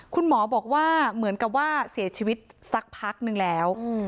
คุณหมอบอกว่าเหมือนกับว่าเสียชีวิตสักพักนึงแล้ว